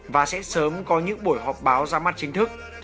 và sẽ sớm có những buổi họp báo ra mắt chính thức